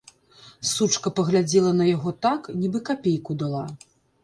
Сучка паглядзела на яго так, нібы капейку дала.